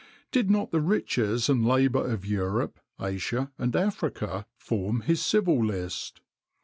Did not the riches and labour of Europe, Asia, and Africa, form his civil list?